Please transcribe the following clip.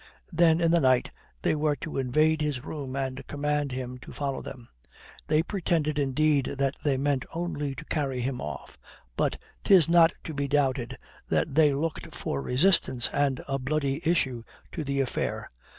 Then in the night they were to invade his room and command him to follow them. They pretended indeed that they meant only to carry him off. But 'tis not to be doubted that they looked for resistance and a bloody issue to the affair.